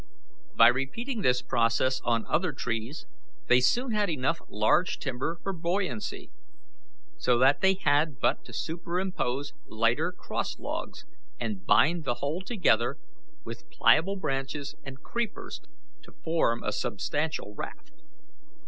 By repeating this process on other trees they soon had enough large timber for buoyancy, so that they had but to superimpose lighter cross logs and bind the whole together with pliable branches and creepers to form a substantial raft.